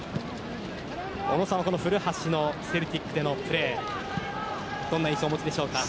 小野さんは古橋のセルティックでのプレーどんな印象をお持ちでしょうか？